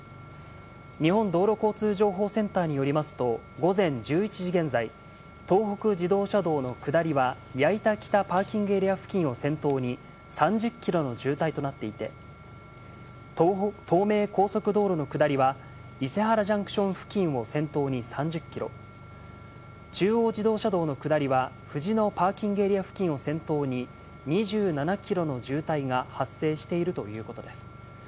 日本道路交通情報センターによりますと午前１１時現在、東北自動車道の下りは、矢板北パーキングエリア付近を先頭に３０キロの渋滞となっていて、東名高速道路の下りは伊勢原ジャンクション付近を先頭に３０キロ、中央自動車道の下りは、藤野パーキングエリア付近を先頭に２７キロの渋滞が発生しているということです。